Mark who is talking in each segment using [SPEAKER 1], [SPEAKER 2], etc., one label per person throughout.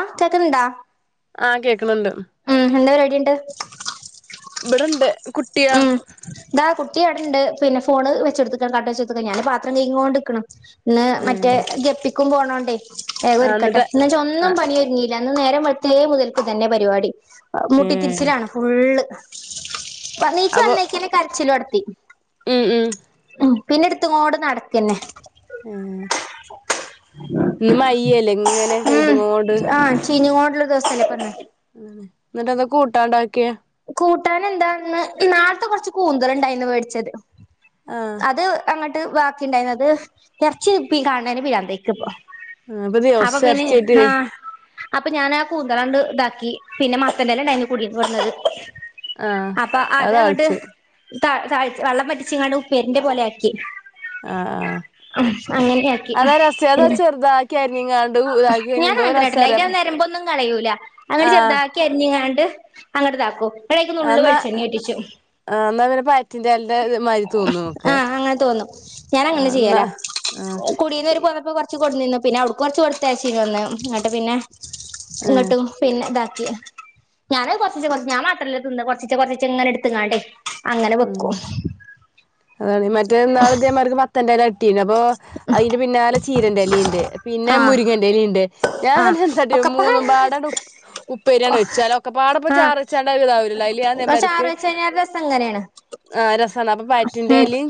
[SPEAKER 1] ആ കേക്കണ്ണ്ടാ
[SPEAKER 2] ആഹ് കേക്കണ്ണ്ട്
[SPEAKER 1] എന്താ പരിപാടി
[SPEAKER 2] ബടൊണ്ട് കുട്ടിയാ
[SPEAKER 1] ഇവിടെണ്ട് പിന്നെ ഫോൺ വെച്ച് കൊടിത്തിക്ക് പാട്ടെച്ചൊടുത്തക്ക ഞാൻ പാത്രം കഴുക്യോണ്ടിരിക്കണ് ന്ന് മറ്റേ ഗപ്പി എക്കും പോണോണ്ടേ വേഗം
[SPEAKER 2] ആ
[SPEAKER 1] ഒരുക്കട്ടെ
[SPEAKER 2] എന്നിട്ട്
[SPEAKER 1] എന്ന് വച്ചാ
[SPEAKER 2] ആ
[SPEAKER 1] ഒന്നും പണിയൊരുങ്ങി അന്ന് നേരം വെളുത്തെ മുതൽക്കു തന്നെ പരിപാടി ഉ മുട്ടിത്തിരിച്ചിലാണ് ഫുള്ള് [unintelligible] ഇപ്പ എണീച്ച്
[SPEAKER 2] അപ്പൊ
[SPEAKER 1] വന്നേക്കല് കരച്ചില് തുട [unintelligible]
[SPEAKER 2] ഉം ഉം
[SPEAKER 1] പിന്നെ എടുത്തങ്ങോട് നടക്കന്നെ
[SPEAKER 2] ഉം ഇന്ന് മയ്യല്ല ഇങ്ങനെ പെയ്ത്ങ്ങോണ്ട്
[SPEAKER 1] [unintelligible] ദിവസത്തി
[SPEAKER 2] ന്നട്ടെന്താ കൂട്ടാണ്ടാക്കിയേ
[SPEAKER 1] കൂട്ടാനന്താന്ന് ന്നാൾത്തെ കൊറച്ച് കൂന്തള്ണ്ടായിന്ന് മേടിച്ചത്
[SPEAKER 2] ആഹ്
[SPEAKER 1] അത് അങ്ങട്ട് ബാക്കി ഉണ്ടായിരുന്നത് എറച്ചി കാണ്ണ പിരാന്താൻകിപ്പം
[SPEAKER 2] ആ പ്പൊ ദിവസറച്ച്യായിട്ട്
[SPEAKER 1] അപ്പൊ ഞാൻ ആ കൂന്തളാണ്ട് ഇതാക്കി പിന്നെ മത്തന്റെല ണ്ടായിന് കുടിന്ന് കൊടുന്നത്
[SPEAKER 2] ആഹ് അത് താളിച്ചു
[SPEAKER 1] ത ത വെള്ളം പറ്റിച്ചി ങ്ങാട്ട് ഉപ്പേരിന്റെ പോലെ ആക്കി
[SPEAKER 2] ആഹ് ആ
[SPEAKER 1] അങ്ങനെയാക്കി
[SPEAKER 2] അതാ രസ്യത ചെറുതാക്കി അരിഞ്ഞിങ്ങാണ്ട് ഇതാക്കി കഴിഞ്ഞ
[SPEAKER 1] ഞാൻ
[SPEAKER 2] എന്തോ
[SPEAKER 1] മത്തിനാട്ടില്ല അറ്റഞൻ
[SPEAKER 2] രസാറിയോ
[SPEAKER 1] നേരമ്പോൊന്നും കളയൂല അങ്ങനെ
[SPEAKER 2] ആഹ്
[SPEAKER 1] ചെറുതാക്കി അരിഞാണ്ട് അങ്ങടത്ക്കും യ്ക്ക് നുള്ള്
[SPEAKER 2] എന്നാ
[SPEAKER 1] വെളിച്ചെണ്ണിം ഒറ്റിച്ചു
[SPEAKER 2] എന്നാ പിന്നെ പാറ്റിന്റെ എലന്റെ മാതിരി തോന്നും ഒക്കെ
[SPEAKER 1] ആഹ് ങ്ങനെ തോന്നും ഞാൻ അങ്ങനെ
[SPEAKER 2] ആ
[SPEAKER 1] ചെയ്യല
[SPEAKER 2] എന്നാ ആഹ്
[SPEAKER 1] കുടീന്ന് പോന്നപ്പൊ കൊറച്ച് കൊഡിന്നീനു പിന്നെ കുറച്ച് കൊടുത്തച്ചി വന്ന് എന്നട്ട് പിന്നെ
[SPEAKER 2] ആഹ്
[SPEAKER 1] ഇങ്ങട്ടും പിന്നെതാക്ക ഞാൻ കൊറച്ച കൊറ ഞാൻ മറ്റല്ല തിന്ന് കൊറച്ച കൊറച്ച ഇങ്ങനെ എടുത്ത്ങ്ങാട്ടെ
[SPEAKER 2] ഉ അത മറ്റേ നാൾ ഇദേമാർക്ക് മത്തന്റെല പിന്ന പ്പൊ അതിന്റെ പിന്നാലെ ചീരന്റെ എ ലി ഉണ്ട് പിന്നെ
[SPEAKER 1] ആഹ്
[SPEAKER 2] മുരിങ്ങൻലി ഉണ്ട് ഞാൻ
[SPEAKER 1] ആഹ്
[SPEAKER 2] എന്താട്ടി
[SPEAKER 1] ഒക്കപ്പാട
[SPEAKER 2] മൂന്നും പാടണ്ട് ഉ് ഉപ്പേരിയാണ് വെച്ച് ഒക്കെ പാടപ്പ
[SPEAKER 1] ആഹ്
[SPEAKER 2] ചാറച്ചാണ്ട ഇതാവലോ അതില് ഞാൻ
[SPEAKER 1] ചാറ്
[SPEAKER 2] നമാർക്ക്
[SPEAKER 1] വെച്ച് കഴിഞ്ഞാ രസം ഇങ്ങനേണ്
[SPEAKER 2] ആ രസമാണ് അപ്പൊ
[SPEAKER 1] ഉം
[SPEAKER 2] പാറ്റിന്റെലും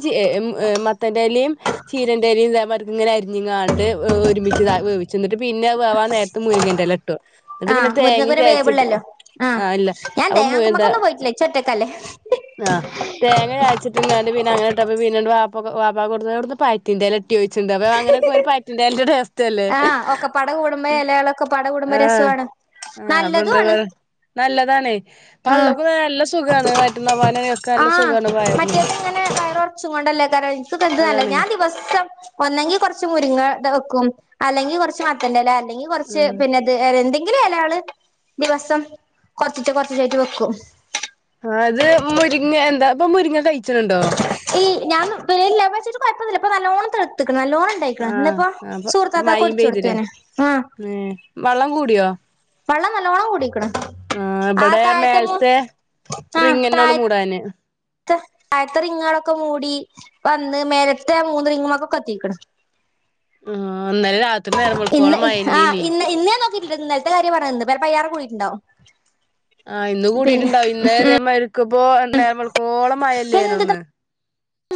[SPEAKER 2] മത്തന്റെലും ചീര [unintelligible] [unintelligible] കുഞ്ഞങ്ങാണ്ട് ഒരുമിച്ച് വേച്ചിട്ട് പിന്നെ പിന്നെ വാവാ നേരത്തെ മുരിങ്ങൻന്റെല്ല ഇട്ടു എന്നിട്ട് പിന്നെ
[SPEAKER 1] ആഹ് മുരിങ്ങക്ക്
[SPEAKER 2] തേങ്ങയും
[SPEAKER 1] പിന്നെ
[SPEAKER 2] ചേച്ചിട്ട്
[SPEAKER 1] വേവുള്ളല്ലോ
[SPEAKER 2] ആഹ് ഇല്ല
[SPEAKER 1] ഞാൻ
[SPEAKER 2] അപ്പൊ എന്താ
[SPEAKER 1] തേങ്ങാക്കുമ്മക്കൊന്നും പോയിട്ടില്ല ഇച്ച് ഒറ്റക്കല്ലേ
[SPEAKER 2] ആ തേങ്ങ ചഴച്ചിട്ട് ഇങ്ങാണ്ട് പിന്നെ അങ്ങനെ ഇട്ട പിന്ന പാ വബാ കൊടുവിടുന്ന് പായത്തില്ല ോിച്ചിണ്ട് അപ്പ അങ്ങനൊക്കെ പാറ്ററ അവസ്ഥല്ലേ
[SPEAKER 1] ആഹ് ഒക്കപ്പാട കൂടുമ്പോ എലകളൊക്കെപ്പാട കൂടുമ്പോ
[SPEAKER 2] ആഹ
[SPEAKER 1] രസു ആണ്
[SPEAKER 2] ആ
[SPEAKER 1] നല്ലതു
[SPEAKER 2] അപ്പൊന്താ
[SPEAKER 1] ആണ്
[SPEAKER 2] പറ നല്ലതണ പള്ളക്കും നല്ല സുഖമാണ് മറ്റുന്ന
[SPEAKER 1] ആ മറ്റേതങ്ങനെ വയർ ഉറച്ചും കൊണ്ടല്ലേകാരം എനിക്കൊക്കെ ഇത് നല്ല
[SPEAKER 2] അതാണ്
[SPEAKER 1] ഞാൻ ദിവസം ഒന്നെങ്കി കുറച്ച് മുരിങ്ങടത് വെക്കും അല്ലെങ്കിൽ കുറച്ച് മത്തന്റെല അല്ലങ്കിൽ കൊറച്ചു
[SPEAKER 2] ആഹ്
[SPEAKER 1] പിന്നെ ത് [unintelligible] [unintelligible] ഇലേല് ദിവസം കൊറചീചെ കൊറച [unintelligible] വെക്കും
[SPEAKER 2] ആ അത് മുരിങ്ങ എന്താ ഇപ്പം മുരിങ്ങ കയ്ച്ചുണുണ്ടോ
[SPEAKER 1] [unintelligible] ഇല്ല ഞൻ വച്ചിട്ട കുഴപ്പൊന്നുല്ല നല്ലോണംതെയുത്ത് നല്ലോണം ഇണ്ടായിക്ക്ണ്
[SPEAKER 2] ആഹ്
[SPEAKER 1] ഇന്നിപ്പോ
[SPEAKER 2] അപ്പൊ
[SPEAKER 1] സൂറത്താത്താക്ക്
[SPEAKER 2] മയിം
[SPEAKER 1] ഒടിച്ചു കൊടുത്തു
[SPEAKER 2] പെയ്തിലേ
[SPEAKER 1] ഞാന് ആ
[SPEAKER 2] ഏഹ് വള്ളം കൂടിയോ
[SPEAKER 1] വെള്ളം നല്ലോണം കൂടിക്കണ്
[SPEAKER 2] ആഹ്
[SPEAKER 1] ആ
[SPEAKER 2] ഇബടെ
[SPEAKER 1] താഴത്തെ മൂ
[SPEAKER 2] മേൽത്തെ
[SPEAKER 1] ആ താഴ
[SPEAKER 2] റിങ്ങന്നൊള്ളു മൂടാന്
[SPEAKER 1] താഴെത്തെ റിങ്ങുകളൊക്കെ മൂടി വന്ന് മേലത്തെ മൂന്ന് റിങ്ങുമൊക്കെ ത്തിക്കുണു
[SPEAKER 2] ആ ഇന്നലെ രാത്രി നേരംവേളുക്കോളം
[SPEAKER 1] ആ
[SPEAKER 2] മഴന്നേന്നു
[SPEAKER 1] ഇന്ന് ഇന്നേ ഇന്നലത്തെ കാര്യം പറയന്ന് ഇന്നിപ്പോ അയിലേറെ കൂടിയിട്ടുണ്ടാവും
[SPEAKER 2] ആ ഇന്ന്
[SPEAKER 1] പിന്നെ
[SPEAKER 2] കൂടിട്ടുണ്ടാവും ഇന്ന ഇതേമാതിരി പോ നേരംവെളുകോളം മഴല്ലെന്നു
[SPEAKER 1] എന്ത്
[SPEAKER 2] ഇന്ന്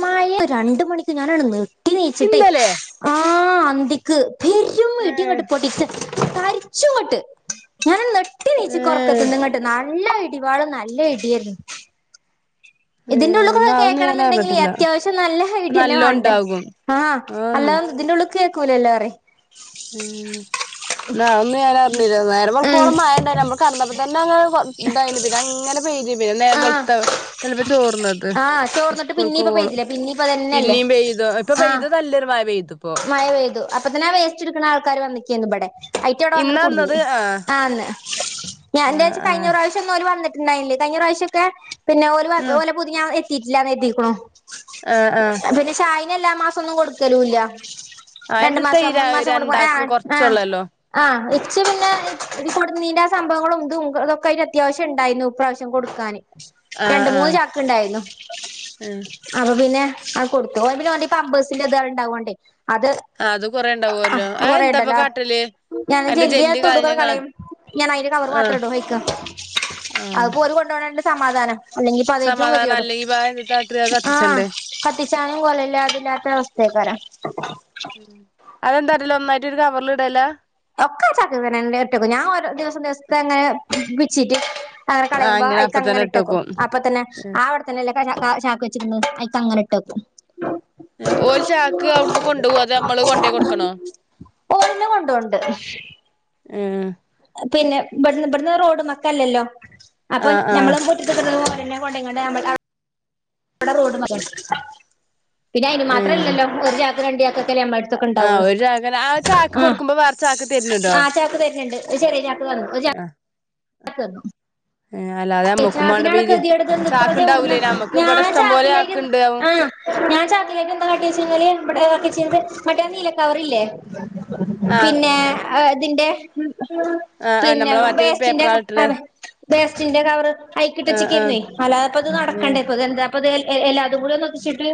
[SPEAKER 1] മഴ രണ്ട് മണിക്ക് ഞാനാണ്ട് നെട് [unintelligible] [unintelligible] യിച്ചിട്ടെ
[SPEAKER 2] ഇന്നലെ
[SPEAKER 1] ആ ആ അന്തിക്ക് പെരും
[SPEAKER 2] ഏഹ്
[SPEAKER 1] ഇടീംങ്ങട്ട് പൊട്ടീട്ട് തരിച്ചങ്ങട്ട് ഞാൻ നെട്ട്
[SPEAKER 2] ഏഹ്
[SPEAKER 1] കുട്ടീച്ചിക്കൊറക്കത്തനിങ്ങട്ട് നാൾ നല്ല ഇടിവാളും നല്ല ഇട്യേനി ഇതിന്റെ
[SPEAKER 2] ഏഹ്
[SPEAKER 1] ഉള്ളക്കൊക്ക
[SPEAKER 2] ന്നാ അതൊന്നും
[SPEAKER 1] കേൾക്കണം
[SPEAKER 2] ഞാൻ
[SPEAKER 1] എന്നുണ്ടെങ്കിൽ
[SPEAKER 2] അറിഞ്ഞിട്ടില്ല
[SPEAKER 1] അത്യാവശ്യം നല്ല ഐടി ന്നെ
[SPEAKER 2] നല്ലോം
[SPEAKER 1] വേണ്ടേ
[SPEAKER 2] ഇണ്ടാകും
[SPEAKER 1] ആഹ അല്ലാത ഇതിന്റെഉള്ളക്ക് കോലല്ലേറ
[SPEAKER 2] ഉം ന്ന അഹൊന്നും ഞാനറ്ഞ്ഞില്ല നേരെ
[SPEAKER 1] ഉം
[SPEAKER 2] വെളുക്കോളാം മയണ്ടായിരുന്നു നമ്മള് കടന്നപ്പോ തന്നെ അങ്ങെനെ തായിരുന്നു ഇതായിന് പിന്നെ പെയ്ത് അങ്ങനെ പിന്നെ നേരം
[SPEAKER 1] ആഹ്
[SPEAKER 2] ബെൾത്തട
[SPEAKER 1] ആഹ് ചോർന്നിട്ട് പിന്നീപ്പ പെയ്തിലെ പിന്നീയിപ്പതന്നെല്ലേ
[SPEAKER 2] പിന്നീം പെയ്തു ഇപ്പൊ
[SPEAKER 1] ആഹ്
[SPEAKER 2] പെയ്തു നല്ലൊരു മഴ പെയ്തുപ്പോ
[SPEAKER 1] മഴ പെയ്തു അപ്പ തന്നെ പെ [unintelligible] ക്ണ ആൾക്കാർ വന്നക്കേന്നു ഇബടെ ഐറ്റവെടെ
[SPEAKER 2] ഇന്നാ
[SPEAKER 1] വന്ന്‌ട്‌ കുടുങ്ങി
[SPEAKER 2] വന്നത് ആഹ്
[SPEAKER 1] ആന്ന് [inaudible] [inaudible] [unintelligible] ഞാ
[SPEAKER 2] ആഹ്
[SPEAKER 1] എന്റൊച്ച കഴിഞ്ഞ
[SPEAKER 2] ആഹ്
[SPEAKER 1] പ്രാവശ്യാന്നും ഓല് വന്നിട്ട് ഇണ്ടായിണ്ട് കഴിഞ്ഞ പ്രാവിശ്യൊക്കെ പിന്നെ [unintelligible]
[SPEAKER 2] ആഹ്
[SPEAKER 1] ഓലെ പുതി ഞാ എത്ത് ഇറ്റ് ലാന്ന് കർ തീ കുണു
[SPEAKER 2] ആഹ് ആഹ്
[SPEAKER 1] എല്ലാ മാസൊന്നും കൊടുക്കലൂല്ല
[SPEAKER 2] ആ
[SPEAKER 1] രണ്ടു
[SPEAKER 2] എന്തത്താ ഈ
[SPEAKER 1] മാസം
[SPEAKER 2] ര
[SPEAKER 1] മൂന്ന് മാസം കൂടുമ്പൊ
[SPEAKER 2] രണ്ടാക്ക്
[SPEAKER 1] ആഹ് ആഹ്
[SPEAKER 2] കൊറച്ചൊള്ളല്ലോ
[SPEAKER 1] ആഹ് ഇച്ച് പിന്നെ ഇത് കൊടു നീന്റെ സംഭവങ്ങളും [unintelligible] തുംഇതൊക്കെതിന് അത്യാവശ്യം ഉണ്ടായിരന്നു ഇപ്രാവശ്യം കൊടുക്കാന്
[SPEAKER 2] ആഹ്
[SPEAKER 1] രണ്ട് മൂന്ന്
[SPEAKER 2] ആഹ്
[SPEAKER 1] ചാക്ക് ഉണ്ടായിന്നു അപ്പൊ പിന്നെ അഹ് കൊടുത്തു പിന്നെ [unintelligible] ഓന്റെ പമ്പേസിന്റെ ഇതാ ഉണ്ടാവോണ്ടേ അത്
[SPEAKER 2] ആ അത് കൊറേ
[SPEAKER 1] ആ
[SPEAKER 2] ഉണ്ടാവുല്ലോ അത് എന്താപ്പ
[SPEAKER 1] കൊറേണ്ടല്ലോ ആ
[SPEAKER 2] കാട്ടല്
[SPEAKER 1] ഞാനാ
[SPEAKER 2] അയിന്റെ
[SPEAKER 1] ജെല്ലി എന
[SPEAKER 2] ജെല്ല് കളഞ്ഞങ്ങ
[SPEAKER 1] തൊടൂക്കാണ്ട്കളയും ഞാൻ അയ്ന്റെ കവറ്
[SPEAKER 2] ആഹ്
[SPEAKER 1] മാത്രം ഇടും അയ്ക്ക്
[SPEAKER 2] ആഹ്
[SPEAKER 1] അഹ്പോല് കൊണ്ടോ ണോ സമാധാനം അല്ലെങ്കി പതയറ്റവും
[SPEAKER 2] സമാധാനം
[SPEAKER 1] കെത്യെടും
[SPEAKER 2] അല്ലെങ്കി ഇപ്പ എന്തത്താ കാട്ടല് അത്
[SPEAKER 1] ആഹ്
[SPEAKER 2] കത്തിച്ചണ്ടേ
[SPEAKER 1] കത്തിച്ചാനും കൊലല്ലാതില്ലാത്ത അവസ്ഥേക്കാരം
[SPEAKER 2] അതെന്താരില്ല ഒന്നായിട്ട് ഒരു കവറിൽ ഇടല
[SPEAKER 1] ഒക്കെ ചാക്ക് കണെ [unintelligible] ഇടക്കും ഞാൻ ദിവസം ദിവസത്തെ അങ്ങനെ വിച്ചിട്ട് അത്
[SPEAKER 2] ആ
[SPEAKER 1] കളയുമ്പോ
[SPEAKER 2] ഇങ്ങനെ അപ്പ തന്നെ
[SPEAKER 1] ഐക്കങ്ങനെ ഇട്ടക്കും
[SPEAKER 2] ഇട്ടോക്കും
[SPEAKER 1] അപ്പൊ തന്നെ ആ ഉടെ തന്നെല്ല ചാക്ക് വെച് [unintelligible] ക്ക്ങ് അയ്ക്ങ്ങനെ ഇട്ടക്കും
[SPEAKER 2] ഓൽ ചാക്ക് അവിടുന്ന് കൊണ്ടോവ അതോ നമ്മള് കൊണ്ടയ് കൊടുക്കണോ
[SPEAKER 1] ഓരന്നെ കൊണ്ടോണ്ട്
[SPEAKER 2] ഏ
[SPEAKER 1] പിന്നെ ഇവിടുന്ന് ഇവിടുന്ന് റോഡും മൊക്കെ അല്ലല്ലോ അപ്പൊ
[SPEAKER 2] ആഹ് ആഹ്
[SPEAKER 1] ഞമ്മള കൂട്ടിട്ട്ക്കോ പിെ കൊണ്ടങ്ങ ഇവിടെ റോഡ് പററ പിന്നെ അതിന
[SPEAKER 2] ഏഹ്
[SPEAKER 1] മാത്രമല്ലോ [unintelligible] ചക്കക്ക അമ്മ അടുത്തൊക്കെ
[SPEAKER 2] ആ
[SPEAKER 1] ഉണ്ടാവുള്ളു
[SPEAKER 2] ഒരു ചാക്കന്നെ ആ ചാക്ക്
[SPEAKER 1] ആ
[SPEAKER 2] കൊടുക്കുമ്പോ വേറെ ചാക്ക് തരുന്നുണ്ടോ
[SPEAKER 1] ആ് ചക്ക് തരരുന്നുണ്ട് ചെറ ചക്ക് തന്നു
[SPEAKER 2] ആഹ്
[SPEAKER 1] ക്കുന്നു
[SPEAKER 2] ഏഹ് അല്ലാതെ നമ്മക്കും മാണ്ട പീ
[SPEAKER 1] ചാക്കിനാണ് കൃതിയുടെത്താതെ
[SPEAKER 2] ചാക്ക്ണ്ടാവൂലേ
[SPEAKER 1] ടുന്നത്
[SPEAKER 2] നമ്മക്ക് ഇബടെ
[SPEAKER 1] ഞാൻ
[SPEAKER 2] ഇഷ്ടം പോലെ
[SPEAKER 1] ചാക്കിലേക്ക്
[SPEAKER 2] ചാക്ക്ണ്ടാവും
[SPEAKER 1] ആ ഞാൻ ചാക്കിലേക്ക് എാ കാട്ടി വെച്ചാല് ഇവിടെ വക്ക ചെയത് മറ്റേന്നീലക്കെ അവർല്ലേ
[SPEAKER 2] ആഹ്
[SPEAKER 1] പിന്നെ ആ അതിന്റെ
[SPEAKER 2] ആഹ് ആഹ്
[SPEAKER 1] പിന്നെ
[SPEAKER 2] നമ്മളെ മറ്റേ
[SPEAKER 1] ബേസ്റ്റിന്റെ [unintelligible]
[SPEAKER 2] പേപ്പറാള്ട്ട്ണെ
[SPEAKER 1] പിന്നെ കബറ
[SPEAKER 2] ആഹ് ആഹ്
[SPEAKER 1] കൈക്കിട്ട്െച്ചക്കായിരുന്നേ അല്ലാത അപ്പ അത്
[SPEAKER 2] ഏഹ്
[SPEAKER 1] നടക്കണ്ടേ ഇപ്പ അെന്താ അപ്പത് എല്ലാ അതും കൂടി ഒക്കിച്ചിട്ട്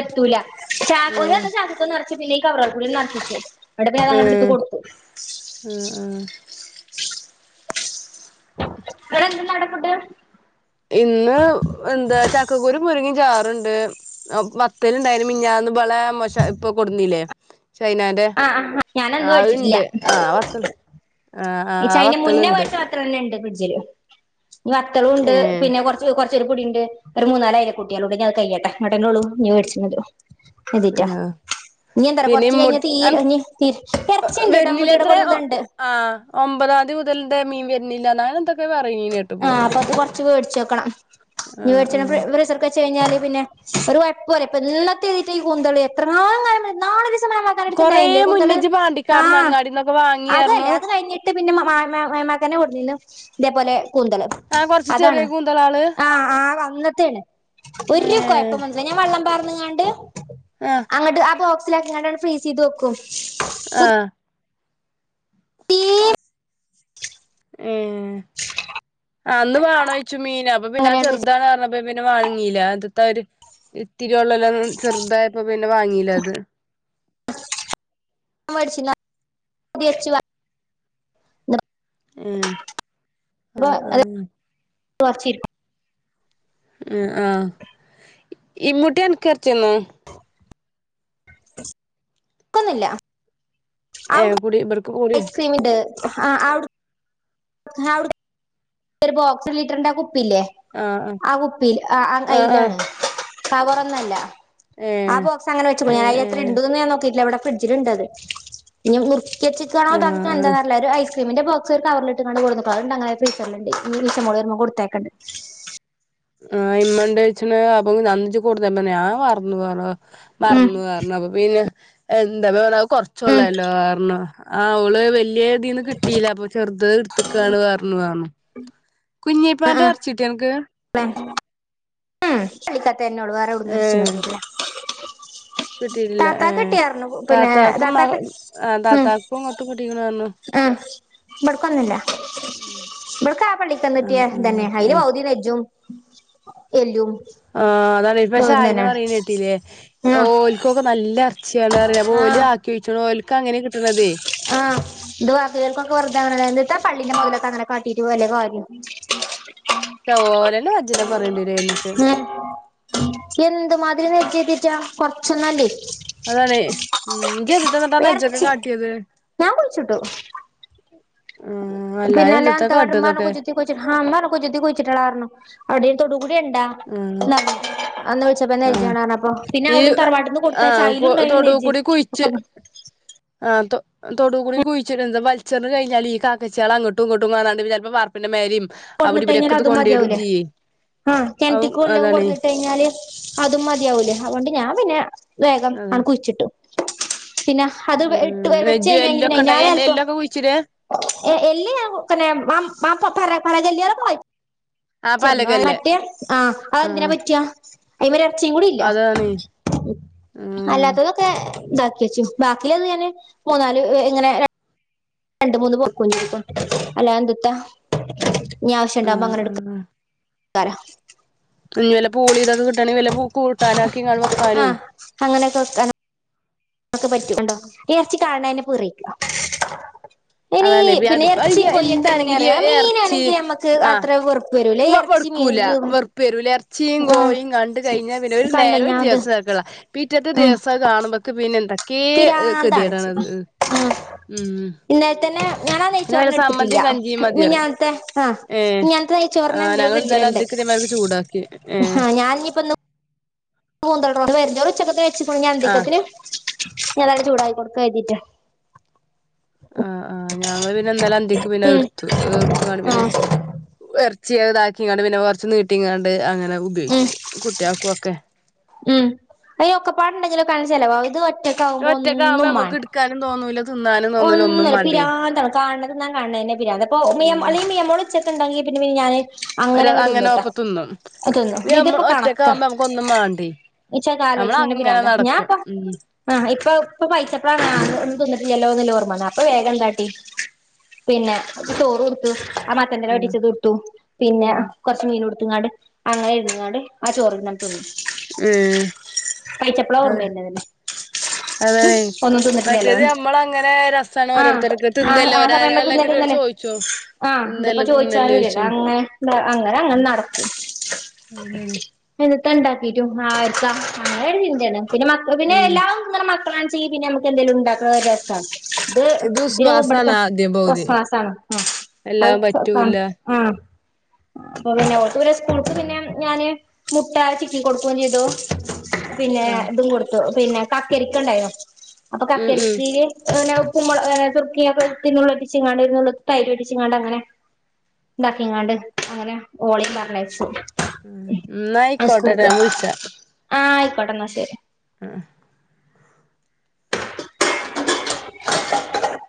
[SPEAKER 1] എത്തൂല ചാക്ക്
[SPEAKER 2] ആഹ്
[SPEAKER 1] ചാാക്കക്കക്ക ഇതിനികവറോടുകൂടെ നക്കിച്ച് അവിടത്തെയേതാണ്ട്
[SPEAKER 2] ഏഹ്
[SPEAKER 1] എടുത്തുകൊടുത്തു
[SPEAKER 2] ആഹ് ആഹ്
[SPEAKER 1] [inaudible]
[SPEAKER 2] ഇന്ന്, എന്താ ചക്കക്കുരു മുരുങ്ങക്കാചാറുണ്ട്. വത്തലും തൈരും മിനിഞ്ഞാന്ന്‌ പോലെ മോശ, ഇപ്പൊ കൊടുത്തീല്ലേ
[SPEAKER 1] ആ.. ആഹ്.. ആ ഞാനതൊന്നും കഴിച്ചിട്ടില്ല.
[SPEAKER 2] ആഹ് വത്തല് ആഹ് ആഹ് ആ വത്തള്ണ്ട്
[SPEAKER 1] എനിച്ചതിന്‌മുന്നേമേടിച്ച വത്തലുണ്ടായിരുന്നു ഫ്രിഡ്ജില് വത്തലുണ്ട്
[SPEAKER 2] ഏഹ്
[SPEAKER 1] പിന്നെ കുറച്ച്, കൊറ ഒരു പൊടിയുണ്ട്. ഒരു മൂന്നാല് അയലകുട്ടികളുണ്ട്. ഇനിയത് കഴിയട്ടെ എന്നിട്ടേയുള്ളൂ നീ മേടിച്ചുനോക്കിയോ എന്തേ
[SPEAKER 2] ആഹ് പിന്നിം മു അൻ ഒൻപതാം തീയതിമുതൽ മീൻ വരുന്നിലാന്ന് തന്നെ പറഞ്ഞെ
[SPEAKER 1] ആ... അപ്പൊ കൊറച്ച്, കൊറച്ച് മേടിച്ചു വെക്കണം.
[SPEAKER 2] ആഹ്
[SPEAKER 1] മീൻമേടിച്ച
[SPEAKER 2] ആഹ്
[SPEAKER 1] ഫ്രീസറിൽ വെച്ചു കഴിഞ്ഞാല് [inaudible]
[SPEAKER 2] കൊറേ
[SPEAKER 1] മേമാക്കാന്റെട്ത്ത്ണ്ടായില്ലേ കൂന്തള്
[SPEAKER 2] മുന്നേന്നു പാണ്ടിക്കാടിന്ന്
[SPEAKER 1] ആഹ്
[SPEAKER 2] അങ്ങാടീന്നൊക്കെ വാങ്ങിയായിരുന്നു.
[SPEAKER 1] അതല്ലേ അത് കഴിഞ്ഞിട്ട് പിന്നെ മാ.. മാ.. മകന്റെ കൊച്ചിനുമിതേപോലെ കുന്തള്,
[SPEAKER 2] ആഹ് കൊറച്ച് ചെറിയ
[SPEAKER 1] അതാണ്
[SPEAKER 2] കൂന്തളാള്
[SPEAKER 1] അ.. അ.. ആ
[SPEAKER 2] ഏഹ്
[SPEAKER 1] എങ്ങാണ്ട്
[SPEAKER 2] ആഹ്
[SPEAKER 1] അങ്ങോട്ട് ആ ബോ ക്സിലാക്കിയാണ്ട് തന്നെ ഫ്രീസ് ചെയ്തുവെക്കും
[SPEAKER 2] ആ ഏ അന്നു വാണോയ്ച്ചു മീന് അപ്പൊ പിന്നെ അത്
[SPEAKER 1] അങ്ങനെയാണ് വെച്ച്
[SPEAKER 2] ചെറുതാണെന്നുപറഞ്ഞപ്പോ പിന്നെവാങ്ങീല അത് ഇതൊരു ഇത്തിരിയുള്ളല്ലോ ചെറുതായപ്പോ പിന്നെ വാങ്ങീല്ലായത്.
[SPEAKER 1] [unintelligible]
[SPEAKER 2] ഏ.. അ.. ആ..
[SPEAKER 1] ഒർച്ചിരിക്കും
[SPEAKER 2] മ് അ ഇമ്മൂട്ടി അൻക് എർച്ചി തന്നോ
[SPEAKER 1] ഇക്കൊന്നുല്ല
[SPEAKER 2] ഏ കുടി ബർ
[SPEAKER 1] ഐസ്ക്രീമിണ്ട് അ ഔട് ഔട ഒരു ബോക്സ് ‌ലിറ്ററിന്റെ കുപ് കുപ്പിയില്ലേ
[SPEAKER 2] ആഹ്
[SPEAKER 1] ആ കുപ്പി അ അ അയി
[SPEAKER 2] ആഹ് ആഹ്
[SPEAKER 1] ലാണ് കവറൊന്നല്ല ആ
[SPEAKER 2] ഏഹ്
[SPEAKER 1] ബോക്സ് അങ്ങനെവെച്ച്ക്ക്ണ് അയ്ലെത്ര
[SPEAKER 2] ഏഹ്
[SPEAKER 1] ഉണ്ട്ന്ന ഞാൻ നോക്കിട്ടില്ല ഇവിടെ ഫ്രിഡ്ജിലുണ്ടത് ഇനി നു
[SPEAKER 2] ഏഹ് ആഹ്
[SPEAKER 1] [unintelligible] ഒരു ഐസ് സിമ്മിന്റെ ബോക്സ് ഒരുകവർല്ട്ട്ക്കാണ്ട് കൊട്ന്നുക്കുണ് അത് ണ്ട് [unintelligible]
[SPEAKER 2] ആ ഇമ്മണ്ട് ചോയ്ച്ചണ്‌ അപ്പാ അന്ന് ജ് കൊട്ന്നു പ്പം ഞാൻ മർ ന്നു പറഞ്
[SPEAKER 1] ഉം
[SPEAKER 2] മർന്നു അർഞ്ഞു അപ്പൊ പിന്നെ എന്ത മേ ന
[SPEAKER 1] ഉം
[SPEAKER 2] കൊറച്ചള്ളല്ലോ ആർണം ആ ഓള് വല്യ തീന്ന് കിട്ടീല പ്പോ ചെറ ഇത് ട്ത്തക്കാണ് പർന്നു ർന്നു
[SPEAKER 1] ആ
[SPEAKER 2] കുഞ്ഞിപ്പാന്റെ
[SPEAKER 1] ആ
[SPEAKER 2] എർച്ചിട്ടിയോ അൻക്ക്
[SPEAKER 1] [unintelligible] ഉ പള്ളിക്കതെന്നള്ളൂ വേറൊട്ന്നും
[SPEAKER 2] ഏഹ്
[SPEAKER 1] എർച്ചിയൊന്നും കിട്ടീല [inaudible]
[SPEAKER 2] കിട്ടിട്ടില്ല
[SPEAKER 1] താത്താക്ക്
[SPEAKER 2] ഏഹ്
[SPEAKER 1] കെിട്ടിയർരുന്നു പിന്നെ
[SPEAKER 2] താത്താക്കും മക
[SPEAKER 1] താത്താക്ക്
[SPEAKER 2] ആഹ്
[SPEAKER 1] ഉം
[SPEAKER 2] താത്താക്കും ഇങ്ങട്ടും കിട്ടിക്ക്ണ് പറഞ്ഞു
[SPEAKER 1] ഉം ഇവിടക്കൊന്നില്ല ഇവിടക്ക് ആ പള്ളിക്ക്ന്ന കിട്ടിയ
[SPEAKER 2] ആഹ് ആഹ്
[SPEAKER 1] തന്നെ അതില്
[SPEAKER 2] അയ്
[SPEAKER 1] പൗതി നെജും എല്ലും
[SPEAKER 2] ആ അതാണ് പക്ഷെ
[SPEAKER 1] വേഗം
[SPEAKER 2] അയിനെ
[SPEAKER 1] തന്നെയാണ്
[SPEAKER 2] പറീന്ന് കെട്ടീല്ലേ
[SPEAKER 1] ആഹ്
[SPEAKER 2] ഓൽക്കൊക്കെ നല്ല ച്ചില്ലപറഞ്ഞ് അപ്പൊല്
[SPEAKER 1] ആഹ്
[SPEAKER 2] ആക്കി അയച്ച് നോൽ ക്കെ അങ്ങനെ കിട്ടണതേ
[SPEAKER 1] ആഹ് ഇത് ബാക്കി ള്ളിൽക്കൊക്കെ വെറുതെ അങ്ങനെിട്ടാ പള്ളിന്റെ മുതലൊക്കെ അങ്ങനെ കാട്ടീട്ട് വല്ലേ കാര്യം
[SPEAKER 2] ചവവലല്ല വജിനെ പറയേണ്ടിരും അയ്നെക്കെ [inaudible]
[SPEAKER 1] ഉം കൊറച്നല്ലേ
[SPEAKER 2] അതാണ ഉം ന്തുട്ടാ നച്ചൊക്കെ
[SPEAKER 1] എറച്ചി
[SPEAKER 2] കാട്ടിയത്
[SPEAKER 1] ഞാൻ കുഴിച്ചുട്ടു
[SPEAKER 2] ആഹ് അല്ലാതെ
[SPEAKER 1] പിന്നെ
[SPEAKER 2] എന്തുട്ടാ
[SPEAKER 1] അല്ലാത്താട്ട
[SPEAKER 2] കാട്ടാ
[SPEAKER 1] മ്മറഞ്ഞ്
[SPEAKER 2] ഇതൊക്കെ
[SPEAKER 1] കുജ്ജി ത്തി കൊയിിച്ചിട്ട് ചുത്തി കൊഴിച്ചിട്ടളാറഞ്ഞു അടിയ തൊട കൂടെണ്ടാ
[SPEAKER 2] ആഹ്
[SPEAKER 1] എന്ന അന്ന് ചെിച്ചപ്പ
[SPEAKER 2] ആഹ്
[SPEAKER 1] നജണ അപ്പ പിന്നെ
[SPEAKER 2] ഈ
[SPEAKER 1] അവിട തറവാട്ടന്ന് കൊടുതയച്ച
[SPEAKER 2] ആഹ് കൊ
[SPEAKER 1] അതിലുണ്ടായിരുന്നു നജ്
[SPEAKER 2] ആ തൊടുകൂടി കുഴിച്ചിട്ടന്ത വൽച്ചെറിഞ്ഞ് കഴഞ്ഞാ ഈ കാക്കച്ചയാൾ അങ്ങോട്ടും ഇങ്ങട്ടും കാണ്ട്പ്പപ്പോ പർപ്പിന്റെ മേലും
[SPEAKER 1] കൊട്ന്നിട്ട് കഴിഞ്ഞാല് അതും മതിയാവൂലേ ആ
[SPEAKER 2] അവും
[SPEAKER 1] കെൻറ്റ്ക്ക് കൊല്ലം
[SPEAKER 2] അതാണേ
[SPEAKER 1] കൊട്ന്നിട്ട് കഴിഞ്ഞാല് അതും മതിയാവൂലേ അതുകണ്ട് ഞാൻ പിന്നെ വേഗം
[SPEAKER 2] അതെ
[SPEAKER 1] ആണ് കുഴിച്ചിട്ടു [unintelligible] പിന്നെ അത് ഇട്ട്
[SPEAKER 2] ഉം
[SPEAKER 1] വെച്ച
[SPEAKER 2] വെജ്
[SPEAKER 1] കഴിഞ്ഞ കഴ പിന്നെ
[SPEAKER 2] എല്ലൊക്കെ ഉണ്ടായി
[SPEAKER 1] അാല അല്പ്പ
[SPEAKER 2] എല്ലൊക്കെ കുഴിച്ചിട
[SPEAKER 1] എല്ലന്നെ മാ മാപ്പ പറ പരാജല്ലിയറ കു
[SPEAKER 2] ആ പലകല്ലേ
[SPEAKER 1] മറ്റേ ആ
[SPEAKER 2] ആ
[SPEAKER 1] അതെന്തിനാ പറ്റാ അയമല് ച്ചി കൂടി ഇല്ല
[SPEAKER 2] അതാണ് ആ
[SPEAKER 1] അല്ലാത്തതൊക്കെ ഇതാക്കി വച്ചു ബാക്കിലന്ന് ഞാാന് മൂന്നാല് എങ്ങനെ രണ്ട് മൂന്ന് പോക്കുംപ്പ അല്ലാ എതുട്ടാ
[SPEAKER 2] ആ
[SPEAKER 1] ആവശ്യുണ്ടാവുമ്പോ അങ്ങനെടു
[SPEAKER 2] ആ
[SPEAKER 1] [unintelligible]
[SPEAKER 2] ഇഞ്ഞിവല്ല പോളിതൊക്കെ കി കട്ടാണ വല്ല കൂട്ടാനൊക്കി ങ്ങാണ്ട് വെക്കാനും
[SPEAKER 1] ആഹ് അങ്ങനെയൊക്കെ വെക്കാനും ഒക്കെ പറ്റും ണ്ടോ ഈ ഇറച്ചി കാണാന [unintelligible]
[SPEAKER 2] അതന്നെ അപ്പ എന്താണെങ്കിലും
[SPEAKER 1] അറിയോ
[SPEAKER 2] ഇറച്ചി
[SPEAKER 1] മീനാണെങ്കിൽ നമ്മക്ക്
[SPEAKER 2] ആ
[SPEAKER 1] അത്ര വെറുപ്പ് വരൂല ഇറച്ചി മീൻ
[SPEAKER 2] വെറുക്കൂല
[SPEAKER 1] ഇത്
[SPEAKER 2] വെറുപ്പ് വരൂല ഇറച്ചിയും
[SPEAKER 1] ആഹ്
[SPEAKER 2] കോയി കണ്ട് കഴിഞ്ഞാ പിന്നെ ഒരു
[SPEAKER 1] കണ്ട
[SPEAKER 2] നേരം ഒരു
[SPEAKER 1] ഞാൻ അത്
[SPEAKER 2] ദിവസം തരക്കടിള്ള പിറ്റത്തെ ദിവസം കാണുമ്പോക്ക് പിന്നെ എന്ത
[SPEAKER 1] പിരാന്താണ്ച്ച് ആ
[SPEAKER 2] ഉം
[SPEAKER 1] ഇന്നലെത്തന്നെ ഞാനാ
[SPEAKER 2] പിന്നെ വല്ല
[SPEAKER 1] നെയ്ച്ചോറൊന്ന് എടുത്തിട്ടില്ല
[SPEAKER 2] സമ്മന്തിയും കഞ്ചിയും മതി പറയും
[SPEAKER 1] മിനിങ്ങാന്നത്തെ ആഹ്
[SPEAKER 2] ഏ
[SPEAKER 1] മിനിങ്ങാത്തെ
[SPEAKER 2] ആ
[SPEAKER 1] നെയ്ച്ചോറിനെന്റെ
[SPEAKER 2] ഞങ്ങൾ ഇന്നലെ
[SPEAKER 1] ഫ്രിഡ്ജിലുണ്ട്
[SPEAKER 2] അന്തിക്ക് ഇതേമാതിരി ചൂടാക്കി ഏ
[SPEAKER 1] ആ ഞാൻ ഇനി ഇപ്പൊന്താ മൂന്തോണ്ട് വെറും ചോറ് ഉച്ചക്കത്തെ [unintelligible]
[SPEAKER 2] ആഹ്
[SPEAKER 1] ഞാനങ്ങട് ചൂടായി കൊടുക്ക എഴതീട്ട്
[SPEAKER 2] ആഹ് ആഹ് ഞങ്ങള് പിന്നെന്നലെ അന്തിക്ക് പിന്നെ
[SPEAKER 1] ഉം
[SPEAKER 2] അതെടുത്തു എടുത്തുന്നാണ്
[SPEAKER 1] ആ
[SPEAKER 2] പിന്നെ എറ ച്ച് താക്കിങ്ങണ്ട് പിന്നെ കൊറച്ചു നീട്ടി ങ്ങാണ്ട് അങ്ങനെ
[SPEAKER 1] ഉം
[SPEAKER 2] ഉപയോഗിച്ച് കുട്ടിയാക്കുവൊക്കെ
[SPEAKER 1] ഉം അയോക്കെ പാടുണ്ടെങ്കിലും കാണിച്ചല്ലേ വ ഇത്
[SPEAKER 2] വിടെ
[SPEAKER 1] ഒറ്റക്കാവുമ്പോ
[SPEAKER 2] ഒറ്റക്കാവുമ്പോ നമ്മുക്ക് എടുക്കാനും തോന്നൂലത്
[SPEAKER 1] ഒന്നല്ലെ പിരാന്താണ് കാണത് ഞാൻ കാണെന്നെ പിരാന്ത് അപ്പ [unintelligible]
[SPEAKER 2] ഉം
[SPEAKER 1] അല്ലെ മിയമോള് ഉച്ചക്കെണ്ടെങ്കി ലും ഞാന്
[SPEAKER 2] ഒരു
[SPEAKER 1] അങ്ങനങ്ങട്
[SPEAKER 2] അങ്ങനെ
[SPEAKER 1] തിന്നുട്ടോ
[SPEAKER 2] ഒപ്പത്തിന്നും
[SPEAKER 1] തിന്നും
[SPEAKER 2] ഇത്
[SPEAKER 1] ഇതിപ്പോ
[SPEAKER 2] നമ്മള്
[SPEAKER 1] കണക്കാ
[SPEAKER 2] ഒറ്റക്കാവുമ്പോ നമുക്കൊന്നും മേണ്ടേയ്
[SPEAKER 1] ഇച്ചൊക്കെ ആലോചിച്ച്ണന്നെ
[SPEAKER 2] നമ്മളങ്ങനെ
[SPEAKER 1] പിരാന്താ
[SPEAKER 2] നടക്കും
[SPEAKER 1] ഞാൻപ്പ
[SPEAKER 2] ഉം
[SPEAKER 1] ആ ഇപ്പൊ ഇപ്പൊ വായിച്ചപ്പ ആഹ് ഒന്നും തിന്ന ട്ടില്ലല്ലോന്നുള്ള ഓർമ്മ വന്നേ അപ്പൊ വേഗം എന്താട്ടി പിന്നെ ചോറ് കൊടുത്തു ആ മത്തൻ
[SPEAKER 2] ആഹ്
[SPEAKER 1] വടിച്ചത്ടുത്തു പിന്നെ
[SPEAKER 2] ഉം
[SPEAKER 1] കുറച്ച് മീൻ ഉടു ട്ടിങ്ങാട് അങ്ങനെ ഇരുന്നങ്ങാട് ആ ചോറി ഞാൻ തിന്നു.
[SPEAKER 2] ഉം
[SPEAKER 1] കഴിച്ചപ്പളാ
[SPEAKER 2] അത്
[SPEAKER 1] ഓർമ്മ വരുന്നത്
[SPEAKER 2] അതെ മറ്റിയത് നമ്ളെ
[SPEAKER 1] ആ ആ ആ
[SPEAKER 2] ഒരാ
[SPEAKER 1] സമയക്ക ഇന്നല
[SPEAKER 2] അല്ലെങ്കിൽ
[SPEAKER 1] ഇന്നല്ലെ
[SPEAKER 2] ചോദിച്ചോ
[SPEAKER 1] ആ ഇതിപ്പോ
[SPEAKER 2] തിന്നല്ലേ തിന്നല്ലേ
[SPEAKER 1] ചോയിച്ചാലുംല്ല
[SPEAKER 2] ചോദിച്ചും
[SPEAKER 1] അങ്ങെ അങ്ങനെ അങ്ങനെ നടക്കും.
[SPEAKER 2] അവിടാണ്
[SPEAKER 1] ത്തണ്ടാക്കിട്ടും ആർക്കാ അങ്ങനൊരു ചിന്തേണ്. പിന്നെ മക്ക പിന്നെ
[SPEAKER 2] ഉം
[SPEAKER 1] എല്ലാം തിന്നണ മക്ക് പ്ലാൻ ചെയ് പിന്ന നമുക്ക്‌ എന്തേലും ഉണ്ടാക്ക വിചാരി [unintelligible] ഇത്
[SPEAKER 2] ഇത് വിശ്വാസാണ്
[SPEAKER 1] ഇവിടത്തെ
[SPEAKER 2] ആദ്യം പകുതി
[SPEAKER 1] ഓസ്വാസ് ആണ്
[SPEAKER 2] എല്ലാം
[SPEAKER 1] ആ
[SPEAKER 2] പറ്റൂല
[SPEAKER 1] ആ അപ്പോ പിന്നെ ഓർക്ക്‌ സ്‌കൂൾട്ട് പിന്നെ ഞാന് മുട്ട ചിക്കി കൊടുക്കേം ചെയ്തു, പിന്നെ
[SPEAKER 2] ആഹ്
[SPEAKER 1] ഇതും കൊടുത്തു. പിന്നെ കക്കരിക്കണ്ടായോ അപ്പ
[SPEAKER 2] ഉം ഉം
[SPEAKER 1] കക്കരിക്കെ ങ്ങനെ ഉപ്പുമു ഏ തുറക്കിയൊക്കെ [unintelligible] ഉറ്റിച്ചങ്ങാണ്ട് ഇ തൈര് ഉറ്റിച്ചങ്ങാണ്ട് അങ്ങനെ ഇണ്ടാക്കിങ്ങാണ്ട് അങ്ങനെ ഓളെ പറഞ്ഞച്ചു.
[SPEAKER 2] ന്നായിക്കോട്ടേട ഞാൻ വിളിച്ചാ.
[SPEAKER 1] ആ ആയിക്കോട്ടെ ന്നാ ശെരി.
[SPEAKER 2] ആ